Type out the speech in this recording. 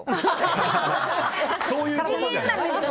そういうことじゃない！